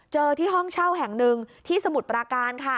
ที่ห้องเช่าแห่งหนึ่งที่สมุทรปราการค่ะ